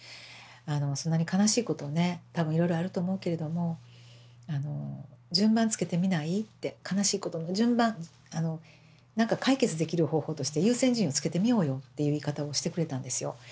「そんなに悲しいことね多分いろいろあると思うけれども順番つけてみない？」って悲しいことも順番なんか解決できる方法として優先順位をつけてみようよっていう言い方をしてくれたんですよ。